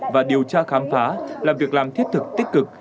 và điều tra khám phá là việc làm thiết thực tích cực